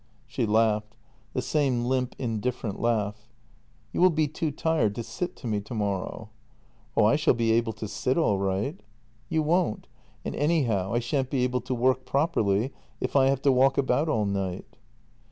She laughed — the same limp, indifferent laugh. " You will be too tired to sit to me tomorrow." " Oh, I shall be able to sit all right." " You won't; and anyhow, I shan't be able to work properly if I have to walk about all night."